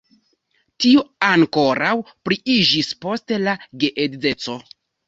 Tio ankoraŭ pliiĝis post la geedzeco.